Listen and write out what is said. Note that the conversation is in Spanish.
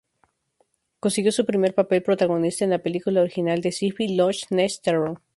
Consiguió su primer papel protagonista en la película original de Syfy "Loch Ness Terror".